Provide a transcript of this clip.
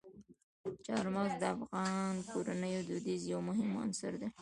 چار مغز د افغان کورنیو د دودونو یو مهم عنصر دی.